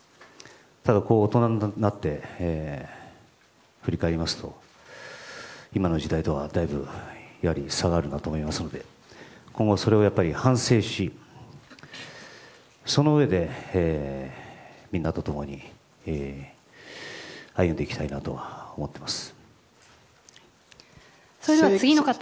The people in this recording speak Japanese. ただ、大人になって振り返りますと今の時代とはだいぶ差があるなと思いますので今後それを反省しそのうえでみんなと共に歩んでいきたいなと思っています。